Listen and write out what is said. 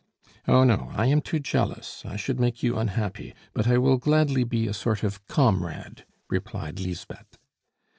"Oh, no; I am too jealous, I should make you unhappy; but I will gladly be a sort of comrade," replied Lisbeth.